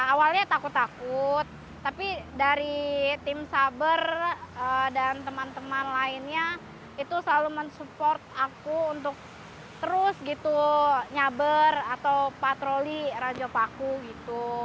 awalnya takut takut tapi dari tim saber dan teman teman lainnya itu selalu mensupport aku untuk terus gitu nyaber atau patroli rajo paku gitu